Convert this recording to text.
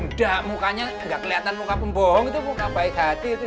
nggak mukanya gak kelihatan muka pembohong itu muka baik hati itu he